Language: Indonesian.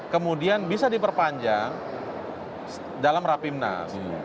kemudian bisa diperpanjang dalam rapimnas